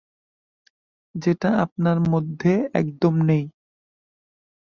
যেটা আপনার মধ্যে একদম নেই।